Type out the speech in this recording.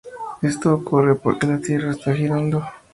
Esto ocurre porque la Tierra está girando.